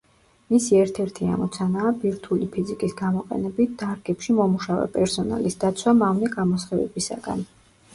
მისი ერთ-ერთი ამოცანაა ბირთვული ფიზიკის გამოყენებით დარგებში მომუშავე პერსონალის დაცვა მავნე გამოსხივებისაგან.